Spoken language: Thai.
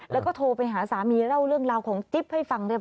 แล้วก็โทรไปหาสามีเล่าเรื่องราวของจิ๊บให้ฟังเรียบ